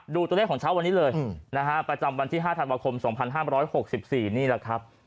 ตัวเลขของเช้าวันนี้เลยนะฮะประจำวันที่๕ธันวาคม๒๕๖๔นี่แหละครับ